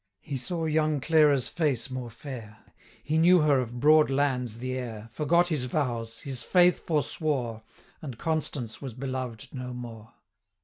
He saw young Clara's face more fair, He knew her of broad lands the heir, 510 Forgot his vows, his faith forswore, And Constance was beloved no more.